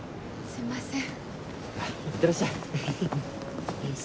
すいません。